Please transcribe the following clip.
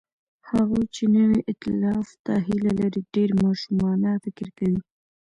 هغوی چې نوي ائتلاف ته هیله لري، ډېر ماشومانه فکر کوي.